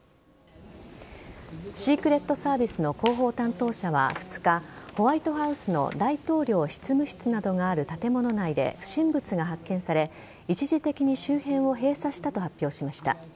シークレットサービスの広報担当者は２日ホワイトハウスの大統領執務室などがある建物内で不審物が発見され一時的に周辺を閉鎖したと発表しました。